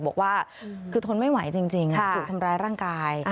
บอกว่าคือทนไม่ไหวจริงถูกทำร้ายร่างกาย